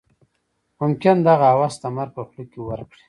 ممکن دغه هوس د مرګ په خوله کې ورکړي.